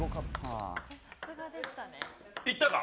いったか？